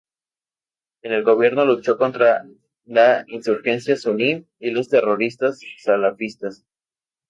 En el Gobierno luchó contra la insurgencia suní y los terroristas salafistas.